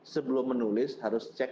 sebelum menulis harus cek